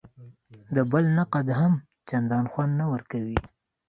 د بل نقد هم چندان خوند نه ورکوي.